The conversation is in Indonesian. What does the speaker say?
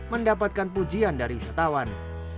mendapatkan pujian dari wisatawan